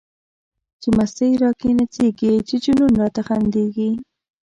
چی مستی را کی نڅيږی، چی جنون را ته خنديږی